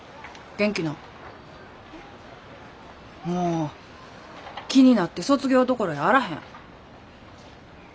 もう気になって卒業どころやあらへん。